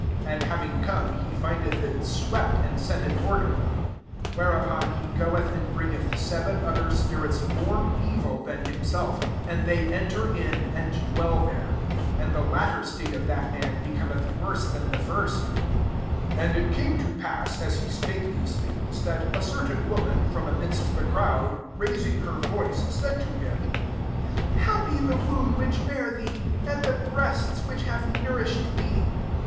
25 And having come, he findeth ii swept and set in order. 26 Whereupon he goethand bring* eth seven o^Sajet spirits, more ^vil than himself; and they eii«> ter in, and dweU there : and tthe latter state of that man be« Cometh worse than the ^niuV 27 And it came to pass, as he spake these things^ that a cer>^ tain, woman, from, amidst the crowd, raising her voice, said to him, <^ Happy the womb which bare thee, and the breasts which have nourished thee.